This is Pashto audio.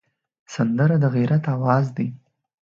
سندره د غیرت آواز دی